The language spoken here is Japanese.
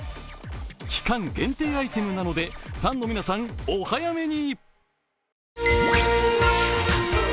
期間限定アイテムなので、ファンの皆さん、お早めに。